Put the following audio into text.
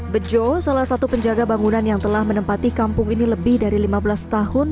bejo salah satu penjaga bangunan yang telah menempati kampung ini lebih dari lima belas tahun